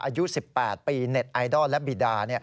อายุ๑๘ปีเน็ตไอดอลและบีดา